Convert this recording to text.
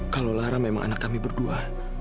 kalau lara memang anak kami berdua